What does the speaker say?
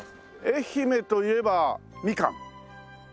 愛媛といえばみかんですよね。